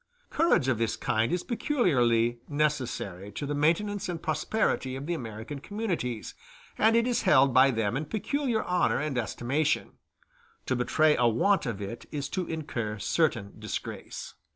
Courage of this kind is peculiarly necessary to the maintenance and prosperity of the American communities, and it is held by them in peculiar honor and estimation; to betray a want of it is to incur certain disgrace.